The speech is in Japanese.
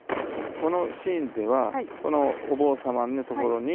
このシーンではこのお坊様のところに神様が現れたと。